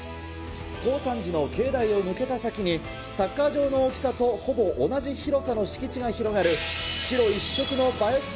耕三寺の境内を抜けた先に、サッカー場の大きさとほぼ同じ広さの敷地が広がる、白一色の映え